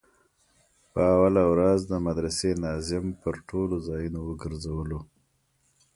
په اوله ورځ د مدرسې ناظم پر ټولو ځايونو وگرځولو.